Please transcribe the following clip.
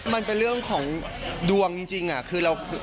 มันเป็นเรื่องของดวงจริงคือเรา